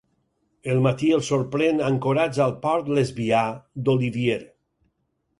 El matí els sorprèn ancorats al port lesbià d'Olivier.